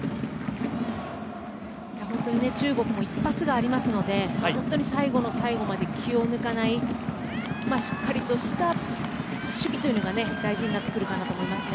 中国も一発がありますので最後の最後まで気を抜かないしっかりとした守備が大事になってくると思います。